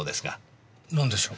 なんでしょう？